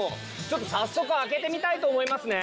早速開けてみたいと思いますね。